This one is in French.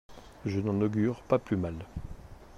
Je n'en augure pas plus mal.